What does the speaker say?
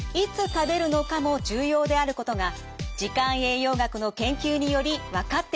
食べるのかも重要であることが時間栄養学の研究により分かってきました。